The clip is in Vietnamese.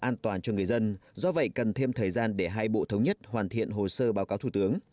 người dân do vậy cần thêm thời gian để hai bộ thống nhất hoàn thiện hồ sơ báo cáo thủ tướng